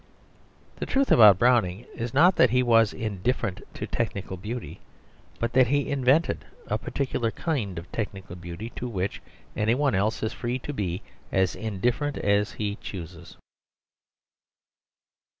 The truth about Browning is not that he was indifferent to technical beauty, but that he invented a particular kind of technical beauty to which any one else is free to be as indifferent as he chooses.